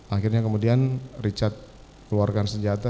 akhirnya kemudian richard keluarkan senjata